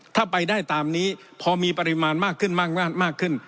ถ้าไปได้ตามนี้พอมีปริมาณมากขึ้นมากขึ้น